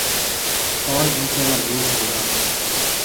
کون ان سے مرعوب ہوگا۔